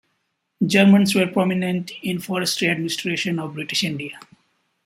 Germans were prominent in the forestry administration of British India.